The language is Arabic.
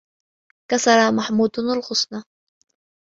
كَسَرَ مَحْمُودٌ الْغُصْنَ.